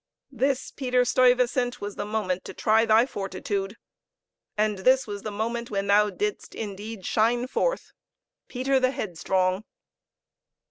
This, Peter Stuyvesant, was the moment to try thy fortitude; and this was the moment when thou didst indeed shine forth Peter the Headstrong!